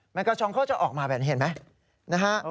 แมงกระชรเขาจะออกมาแบบนี้เห็นไหม